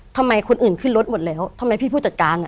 ทำไมคนอื่นขึ้นรถหมดแล้วทำไมพี่ผู้จัดการอ่ะ